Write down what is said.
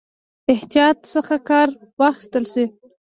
احتیاط څخه کار واخیستل شي.